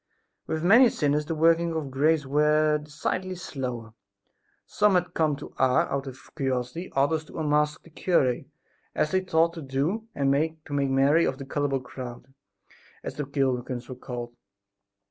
With many sinners the workings of grace were decidedly slower. Some had come to Ars out of curiosity, others to unmask the cure, as they thought to do, and to make merry over the "gullible crowd" as the pilgrims were called.